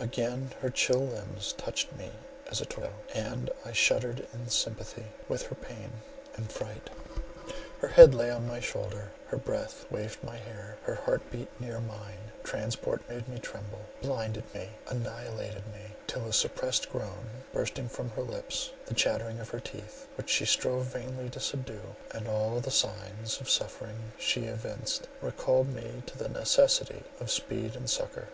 Again her chill limbs touched me as a torpedo; and I shuddered in sympathy with her pain and fright. Her head lay on my shoulder, her breath waved my hair, her heart beat near mine, transport made me tremble, blinded me, annihilated me—till a suppressed groan, bursting from her lips, the chattering of her teeth, which she strove vainly to subdue, and all the signs of suffering she evinced, recalled me to the necessity of speed and succour.